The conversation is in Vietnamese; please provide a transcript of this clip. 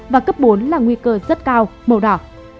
và cấp bốn là nguy cơ rất cao màu đỏ